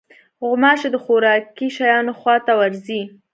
غوماشې د خوراکي شیانو خوا ته ورځي.